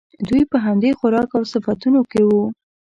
دوی په همدې خوراک او صفتونو کې وو.